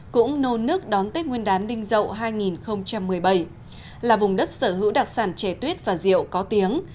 cũng nôn nước đón tết nguyên đán đinh dậu hai nghìn một mươi bảy là vùng đất sở hữu đặc sản trẻ tuyết và rượu có tiếng